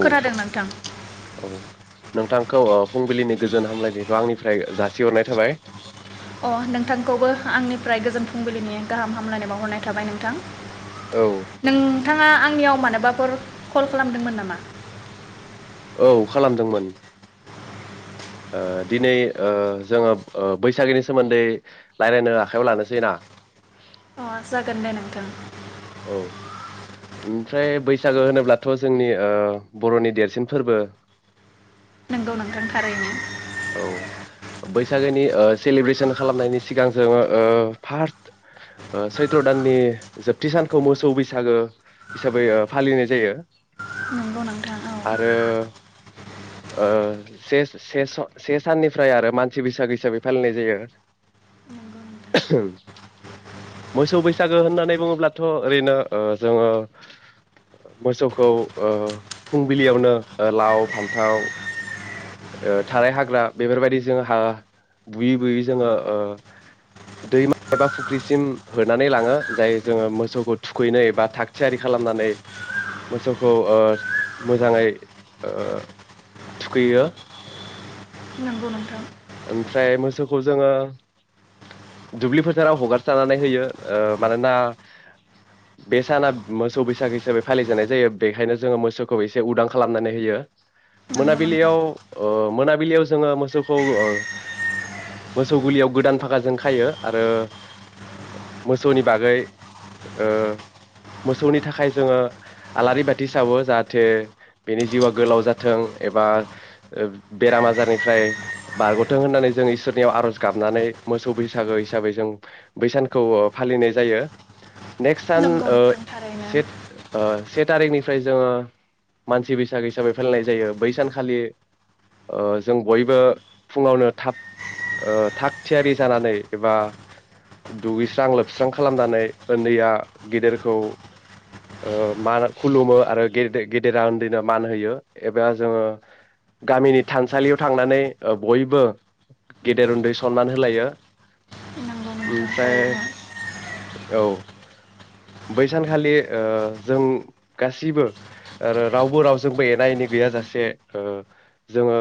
औ खोनादों नोंथां औ नोंथांखौ अ फुंबिलिनि गोजोन हामलायनायखौ आंनिफ्राय जासिहरनाय थाबाय अ नोंथांखौबो आंनिफ्राय गोजोन फुंबिलिनि गाहाम हामलायनाय बावहरनाय थाबाय नोंथां औ नोंथाङा आंनियाव मानोबाफोर कल खालामदोंमोन नामा? औ खालामदोंमोन ओ दिनै ओ जोङो अ बैसागोनि सोमोन्दै रायलायनो आखायाव लानोसै ना अ जागोन दे नोंथां औ ओमफ्राय बैसागु होनोब्लाथ' जोंनि ओ बर'नि देरसिन फोरबो नोंगौ नोंथां थारैनो औ बैसागुनि ओ सेलिब्रेसन खालामनायनि सिगां जोङो अ फार्स्ट ओ सैथ्र दाननि जोबथि सानखौ मोसौ बैसागु हिसाबै ओ फालिनाय जायो नंगौ नोंथां औ आरो ओ से-से स से साननिफ्राय आरो मानसि बैसागु हिसाबै फालिनाय जायो मोसौ बैसागु होननानै बुङोब्लाथ' ओरैनो ओ जोङो मोसौखौ ओ फुंबिलियावनो लाव फान्थाव ओ थाराय हा- ग्रा बेफोरबायदि जोंहा बुयै बुयै जोङो ओ दैमा एबा फुख्रिसिम होनानै लाङो जाय जोङो मोसौखौ थुखैनाय बा थाग थियारि खालामनानै मोसौखौ ओ मोजाङै ओ थुखैयो नोंगौ नोंथां ओमफ्राय मोसौखौ जोङो दुब्लि फोथाराव हगारसारनानै होयो नंगौ नोंथां जोङो मोसौखौ ओ मोसौ गलियाव गोदान फागाजों खायो आरो मोसौनि बागै ओ मोसौनि थाखाय जोङो आलारि बाथि सावो जाहाथे बेनि जिउआ गोलाव जाथों एबा बेराम आजारनि ओमफ्राय बारग'थों होननानै जों इसोरनियाव आर'ज गाबनानै मोसौ बैसागो हिसाबै जों बै सानखौ फालिनाय जायो। नेक्स सान नंगौ ओ नोंथां थारैनो सेट ओ से तारिखनिफ्राय जोङो मानसि बैसागो हिसाबै फालिनाय जायो बै सानखालि ओ जों बयबो फुङावनो थाब ओ थाग थियारि जानानै एबा दुगैस्रां लोबस्रां खालामनानै उन्दैया गेदेरखौ ओ मा खुलुमो आरो गेदेरा उन्दैनो मान होयो एबा जोङो गामिनि थानसालियाव थांनानै ओ बयबो गेदेर उन्दै सनमान होलायो नंगौ नोंथां ओमफ्राय थारैनो औ बै सानखालि ओ जों गासिबो रावबो रावजोंबो एना एनि गैयाजासे ओ जोङो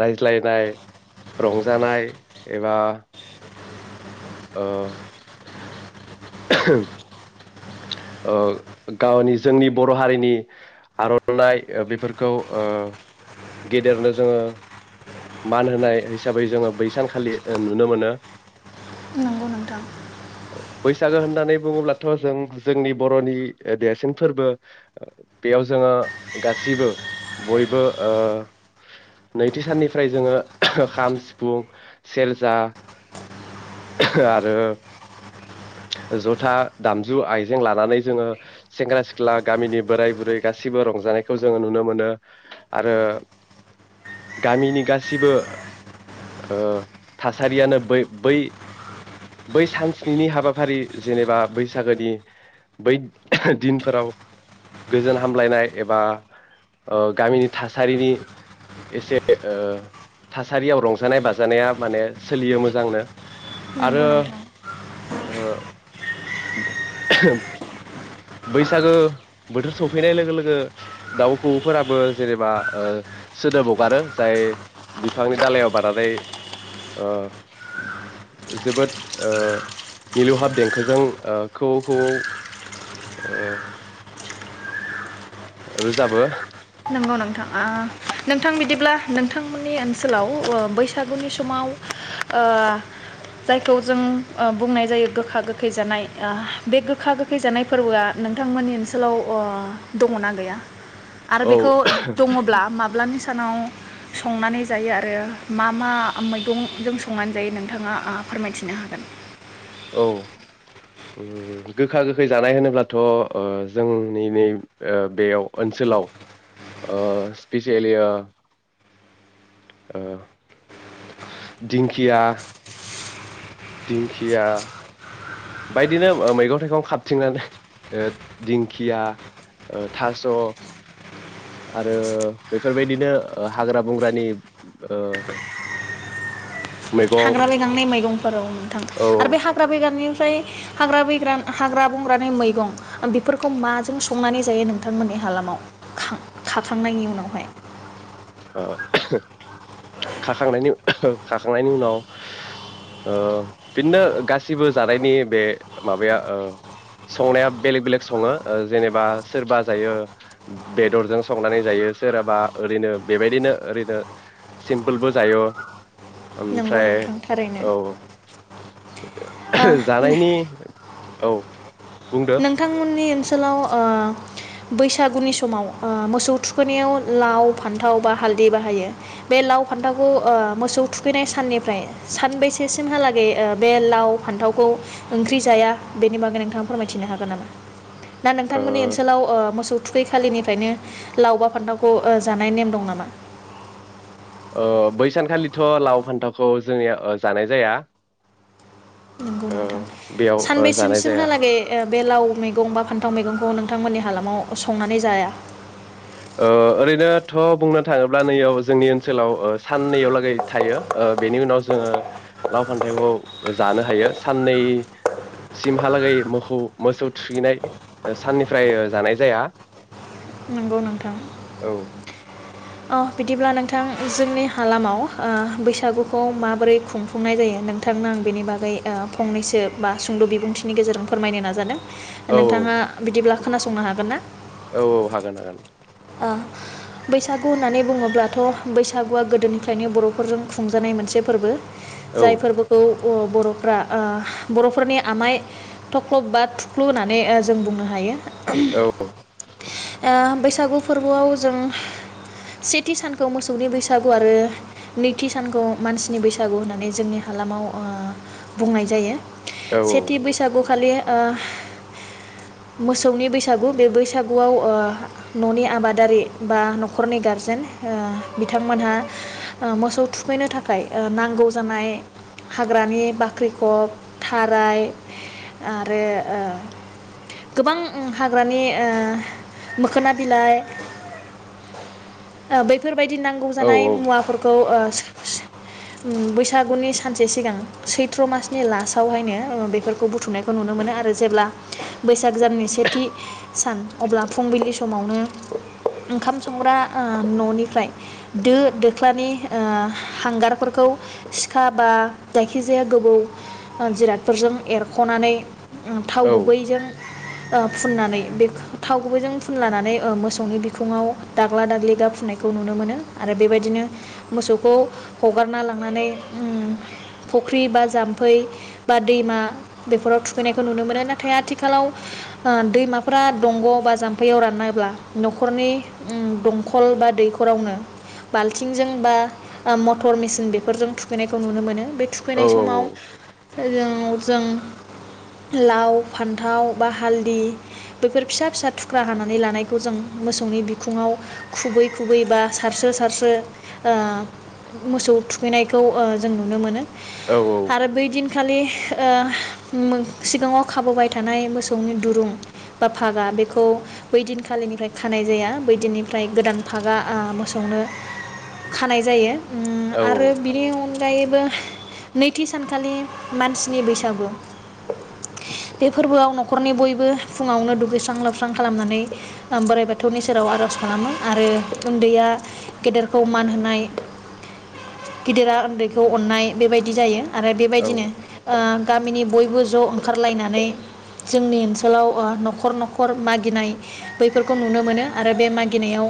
रायज्लायनाय रंजानाय एबा ओ [unintelligible] ओ गावनि जोंनि बर' हारिनि आर'नाइ बेफोरखौ ओ गेदेरनो जोङो मान होनाय हिसाबै जोङो बै सानखालि ओ नुनो मोनो नंगौ नोंथां ओ बैसागो होननानै बुङोब्लाथ' जों जोंनि बर'नि देरसिन फोरबो बेयाव जोङो गासिबो बयबो ओ नैथि साननिफ्राय जोङो खाम सिफुं सेरजा [unintelligible] आरो जथा दामजु आइजें लानानै जोङो सेंग्रा सिख्ला गामिनि बोराय बुरै गासिबो रंजानायखौ जोङो नुनो मोनो आरो गामिनि गासैबो ओ थासारियानो बै बै बै सानस स्निनि हाबाफारि जेनेबा बैसागोनि बै दिनफोराव गोजोन हामलायनाय एबा ओ गामिनि थासारिनि एसे ओ थासारियाव रंजानाय बाजानाया माने सोलियो मोजांनो नोंगौ आरो नोंथां ओ बैसागो बोथोर सफैनाय लोगो लोगो दाउखौऔफोराबो जेनेबा ओ सोदोब हगारो जाय बिफांनि दालायाव बानानै ओ जोबोद ओ मिलौहाब देंखोजों ओ खौवौ खौवौ ओ रोजाबो नंगौ नोंथां ओ नोंथां बिदिब्ला नोंथांमोननि ओनसोलाव ओ बैसागुनि समाव ओ जायखौ जों ओ बुंनाय जायो गोखा गोखै जानाय ओ बे गोखा गोखै जानाय फोरबोआ नोंथांमोननि ओनसोलाव ओ दङना गैया? आरो औ बेखौ दङब्ला माबा माब्लानि सानाव संनानै जायो आरो मा मा मैगंजों संनानै जायो नोंथाङा ओ फोरमायथिनो हागोन औ उम गोखा गोखै जानाय होनोब्लाथ' ओ जोंनि नै बेयाव ओनसोलाव ओ स्पेसेलि ओ दिंखिया दिंखिया बायदिनो मैगं थाइगं खाबथिंनानै ओ दिंखिया ओ थास' आरो बेफोरबायदिनो ओ हाग्रा बंग्रानि ओ मैगं थाग्रा मैगंनि मैगंफोर औनो थां औ आरो बे ओ हाग्रा बेगार थां निफ्राय हाग्रा बैग्रा हाग्रा बंग्रानि मैगं बेफोरखौ माजों संनानै जायो नोंथांमोननि हालामाव खा खाखांनायनि उनावहाय ओ खाखांनायनि खाखांनायनि उनाव ओ बिदिनो गासिबो जानायनि बे माबाया ओ संनाया बेलेग बेलेग सङो ओ जेनेबा सोरबा जायो बेदरजों संनानै जायो सोरहाबा ओरैनो बेबायदिनो ओरैनो सिम्पोलबो जायो नंगौ ओमफ्राय नोंथां थारैनो औ ओ जानायनि औ बुंदो नोंथांमोननि ओनसोलाव ओ बैसागुनि समाव ओ मोसौ थुखैनायाव लाव फान्थाव बा हालदै बाहायो बे लाव फान्थावखौ ओ मोसौ थुखैनाय साननिफ्राय सानबेसेसिमहालागै ओ बे लाव फान्थावखौ ओंख्रि जाया बेनि बागै नोंथां फोरमायथिनो हागोन नामा? ना ओ नोंथांमोननि ओनसोलाव ओ मोसौ थुखै खालिनिफ्रायनो लावबा फान्थावखौ जानाय नेम दं नामा ओ बै सानखालिथ' लाव फान्थावखौ जोंनिया जानाय जाया ओ बेयाव ओ सानबैसिम जानाय सिम जाया हालागै ओ बे लाव मैगं बा फान्थाव मैगंखौ नोंथांमोननि हालामाव संनानै जाया औ ओरैनोथ' बुंनो थाङोब्ला नैयाव जोंनि ओनसोलाव साननैयाव लागै थायो बेनि उनाव जोङो लाव फान्थाइखौ जानो हायो साननै सिमहालागै मोसौ -मोसौ थुखैनाय साननिफ्राय जानाय जाया नंगौ नोंथां औ अ बिदिब्ला नोंथां जोंनि हालामाव ओ बैसागुखौ माबोरै खुंफुंनाय जायो नोंथांनो आं बेनि बागै फंनैसो बा सुंद' बिबुंथिनि गेजेरजों फोरमायनो नाजादों औ औ नोंथाङा बिदिब्ला खोनासंनो हागोन ना? औ -औ हागोन हागोन ओ बैसागु होननानै बुङोब्लाथ' बैसागुआ गोदोनिफ्रायनो बर'फोरजों खुंजानाय मोनसे फोरबो औ जाय फोरबोखौ ब-बर'फ्रा ओ बर'फोरनि आमाय थख्लब बा थुख्लु होननानै जों बुंनो हायो औ ओ बैसा सागु फोरबोआव जों सेथि सानखौ मोसौनि बैसागु आरो नैथि सानखौ मानसिनि बैसागु होननानै जोंनि हालामाव बुंनाय जायो औ सेथि बैसागु खालि ओ मोसौनि बैसागु बे बैसागुआव ओ न'नि आबादारि बा न'खरनि गारजेन ओ बिथांमोनहा मोसौ थुखैनो थाखाय नांगौ जानाय हाग्रानि बाख्रिखब थाराय आरो गोबां ओ हाग्रानि ओ मोखोना बिलाइ बेैफोर बायदि नांगौ औ जानाय मुवाफोरखौ ओ बैसागुनि सानसे सिगां सैथ्र' मासनि लास्टावहायनो बेफोरखौ बुथुमनायखौ नुनो मोनो आरो जेब्ला बैसाग दाननि सेथि सान अब्ला फुंबिलि समावनो ओंखाम संग्रा ओ न'निफ्राय दो दोख्लानि ओ हांगारफोरखौ सिखा बा जायखिजाया गोबौ जिरादफोरजों एरख'नानै थाव औ गुबैजों ओ फुननानै बे थावखौबो जों फुनलानानै ओ मोसौनि बिखुङाव दाग्ला दाग्लि गा फुनायखौ नुनो मोनो आरो बेबायदिनो मोसौखौ हगारना लांनानै फख्रि बा जाम्फै बा दैमा बेफोराव थुखैनायखौ नुनो मोनो नाथाय आथिखालाव दैमाफोरा दंग'आव बा जाम्फैयाव रान्ला न'खरनि ओम दंखल बा दैखरावनो बाल्थिंजों बा मटर मेसिन बेफोरजों थुखैनायखौ नुनो मोनो बे औ थुखैनाय औ समाव जो जों लाव फान्थाव बा हालद। दि बेफोर फिसा- फिसा थुख्रा हानानै लानाय बेखौ जों मोसौनि बिखुङाव खुबै -खुबै बा सारसो -सारसो मोसौ थुखैनायखौ जों नुनो मोनो औ -औ आथिखालि ओ सिगाङाव खाबोबाय थानाय मोसौनि दुरुं बा भागा बेखौ बैदि आथिखालिनिफ्राय खानाय जाया बैदिनिफ्राय गोदान फागा ओ मोसौनो खानाय जायो उम आरो बिनि अनगायै नैथि सानखालि मानसिनि बैसागु बे फोरबोआव न'खरनि बयबो फुङावनो दुगैस्रां लोबस्रां खालामनानै बोराइ बाथौनि सेराव आरज खालामो आरो उन्दैया गेदेरखौ मान होनाय गिदिरा उन्दैखौ अननाय बेबायदि जायो आरो औ बेबायदिनो गामिनि बयबो ज' ओंखारलायनानै जोंनि ओनसोलाव न'खर- न'खर मागिनाय बैफोरखौ नुनो मोनो आरो बे मागिनायाव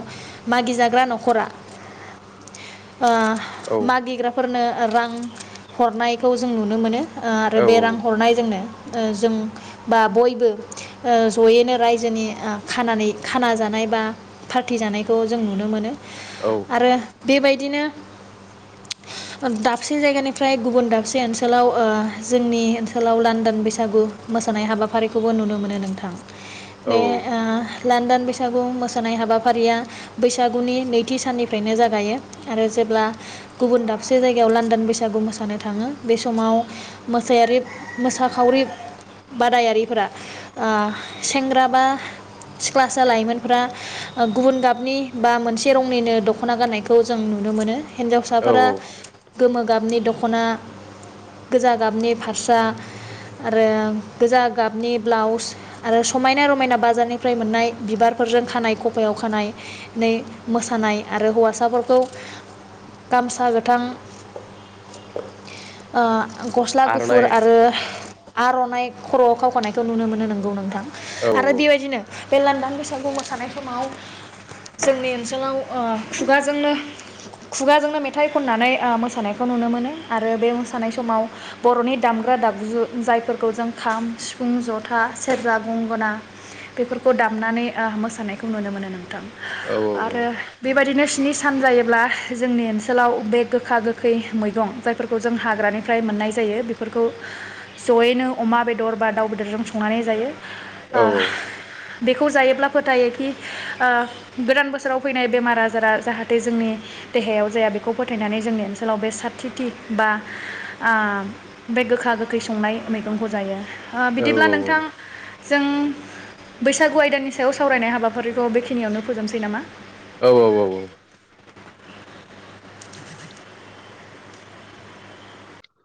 मागिजाग्रा न'खरा ओ मागिग्राफोरनो रां हरनायखौ जों नुनो मोनो आ आरो बे रां हरनायजोंनो जों बा बयबो जयैनो रायजोनि खानानै खाना जानाय बा पार्टि जानायखौ जों नुनो मोनो आरो बेबायदिनो दाबसे जायगानिफ्राय गुबुन दाबसे ओनसोलाव जोंनि ओनसोलाव लान्दन बैसागु मोसानाय हाबाफारिखौबो नुनो मोनो नोंथां औ बे लान्दान बैसागु मोसानाय हाबाफारिया बैसागुनि नैथि साननिफ्रायनो जागायो आरो जेब्ला गुबुन दाबसे जायगायाव लान्दान बैसागु मोसानो थांङो बे समाव मोसायारि मोसाखावरि बादायारिफोरा सेंग्रा बा सिख्लासा लाइमोनफोरा गुबुन गाबनि बा मोनसे रंनिनो दख'ना गाननायखौ जों नुनो मोनो औ हिनजावसाफोरा गोमो गाबनि दखना गोजा गाबनि फास्रा आरो गोजा गाबनि ब्लाउस आरो समायना रमायना बाजारनि निफ्राय मोननाय बिबारफोरजों खानाय खपायाव खानाय न मोसानाय आरो हौवासाफोरखौ गामसा गोथां गस्ला गुफुर आर'नाइ आरो आरनाइ खरआव खावखानायखौ नुनो मोनो नोंगौ नोंथां औ आरो औ बे बायदिनो बे लांदां बैसागु मोसानाय समाव जोंनि ओनसोलाव खुगाजोंनो खुगाजोंनो मेथाइ खननानै मोसानायखौ नुनो मोनो आरो बे मोसानाय समाव बर'नि दामग्रा दामु जायफोरखौ जों खाम सिफुं जथा सेरजा गंगोना बेफोरखौ दामनानै मोसानायखौ नुनो मोनो नोंथां औ आरो बेबायदिनो सान जायोब्ला जोंनि ओनसोलाव बे गोखा गोखै मैगं जायफोरखौ जों हाग्रानिफ्राय मोननाय जायो बेफोरखौ जयैनो अमा बेदर बा दाउ बेदरजों सं संनानै जायो औ ओह बेखौ जायोब्ला फोथायोखि गोदान बोसोराव फैनाय बेमार आजारा जाहाथे जोंनि देहायाव जाया बेखौ फोथायनानै जोंनि ओनसोलाव बे साथिथि बा बे गोखा गोखै संनाय मैगंखौ जायो औ बिदिब्ला औ नोंथां औ जों बैसागु आयदानि सायाव सावरायनाय हाबाफारिखौ बेखिनियावनो फोजोबनोसै नामा औ औ औ